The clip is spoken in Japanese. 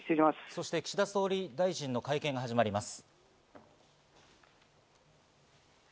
そして岸田総理大臣の会見が始まります。